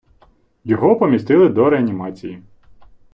Його помістили до реанімації.